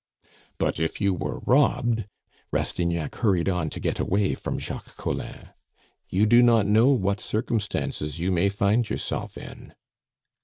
"But if you were robbed " Rastignac hurried on to get away from Jacques Collin. "You do not know what circumstances you may find yourself in."